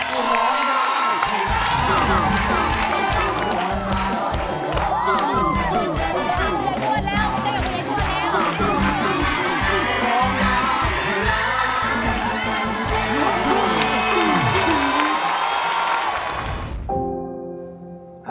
ขอร้องค่ะ